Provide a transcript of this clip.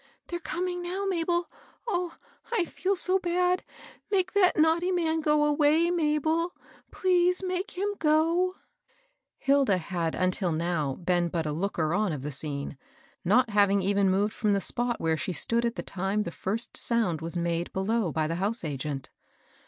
^They're coming now, Mabel ! oh ! I feel so bad I Make that naughty man go away, Mabel I — please make him go 1 " Hilda had until now been but a looker on of the scene, not having even moved from the spot where she stood at the time the first sound was made be low by the house agent.